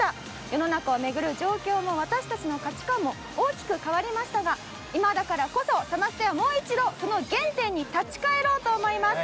世の中を巡る状況も私たちの価値観も大きく変わりましたが今だからこそサマステはもう一度その原点に立ち返ろうと思います。